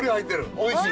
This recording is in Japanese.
おいしい。